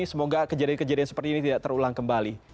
semoga kejadian kejadian seperti ini tidak terulang kembali